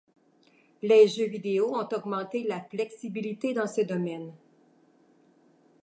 Les jeux vidéo ont augmenté la flexibilité dans ce domaine.